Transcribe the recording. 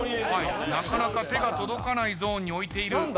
なかなか手が届かないゾーンに置いている。